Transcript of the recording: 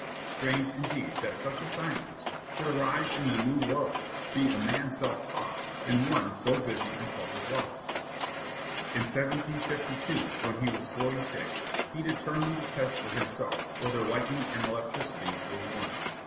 Strange indeed that such a scientist should arise in the new world, be a man self taught, and one so busy in public life. In 1752, when he was forty six, he determined to test for himself whether lightning and electricity were one.